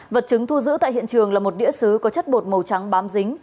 vật chứng thu giữ tại hiện trường là một đĩa xứ có chất bột màu trắng bám dính